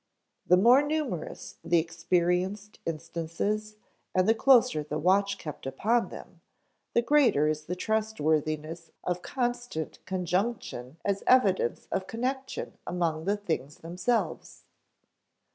The more numerous the experienced instances and the closer the watch kept upon them, the greater is the trustworthiness of constant conjunction as evidence of connection among the things themselves.